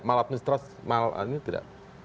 mal administrasi mal ini tidak